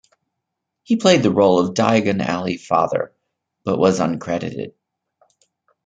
He played the role of Diagon Alley Father, but was uncredited.